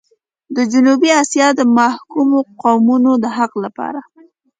د جنوبي اسيا د محکومو قومونو د حق لپاره.